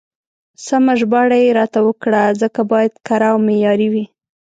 سمه ژباړه يې راته وکړه، ځکه بايد کره او معياري وي.